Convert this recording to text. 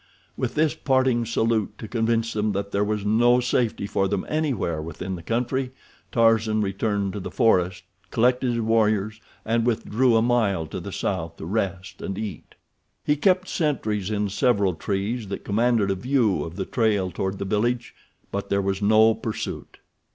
With this parting salute to convince them that there was no safety for them anywhere within the country, Tarzan returned to the forest, collected his warriors, and withdrew a mile to the south to rest and eat. He kept sentries in several trees that commanded a view of the trail toward the village, but there was no pursuit.